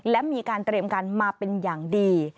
และมีการเตรียมการมาเป็นอย่างดี